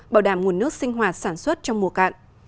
bảo đảm nguồn nước sinh hoạt sản xuất trong mùa cạn